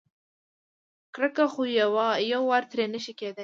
کرکه خو یوار ترې نشي کېدای.